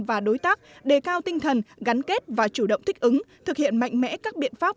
và đối tác đề cao tinh thần gắn kết và chủ động thích ứng thực hiện mạnh mẽ các biện pháp